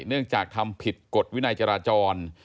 เนื่องจากทำผิดกฎวินัยจราจร